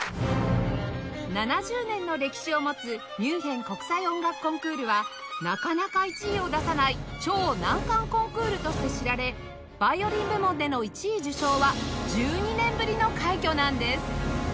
７０年の歴史を持つミュンヘン国際音楽コンクールはなかなか１位を出さない超難関コンクールとして知られヴァイオリン部門での１位受賞は１２年ぶりの快挙なんです